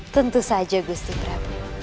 tentu saja gusti prabu